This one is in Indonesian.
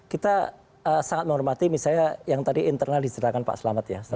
kita sangat menghormati misalnya yang tadi internal diserahkan pak selamat ya